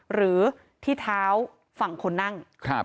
หรือที่เท้าฝั่งคนนั่ง